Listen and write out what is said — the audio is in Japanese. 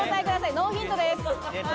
ノーヒントです。